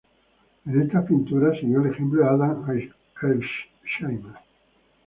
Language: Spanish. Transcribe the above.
En estas pinturas, siguió el ejemplo de Adam Elsheimer.